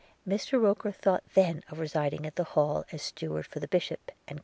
'Mr Roker thought then of residing at the Hall as steward for the Bishop, &c.